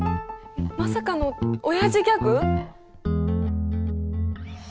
まさかのオヤジギャグ。